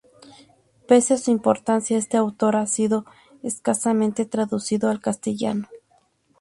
Pese a su importancia, este autor ha sido escasamente traducido al castellano.